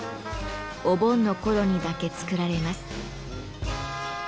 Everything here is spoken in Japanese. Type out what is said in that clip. お盆の頃にだけ作られます。